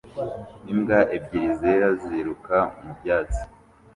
imbwa ebyiri zera ziruka mu byatsi